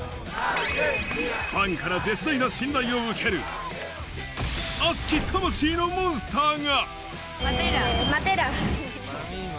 ファンから絶大な信頼を受ける熱き魂のモンスターが。